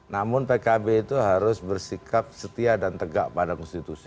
namun pkb itu harus bersikap setia dan tegak pada konstitusi